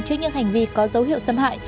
trước những hành vi có dấu hiệu xâm hại